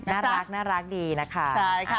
น่ารักดีนะคะ